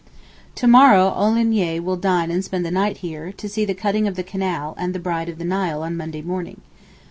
To morrow Olagnier will dine and spend the night here, to see the cutting of the canal, and the 'Bride of the Nile' on Monday morning.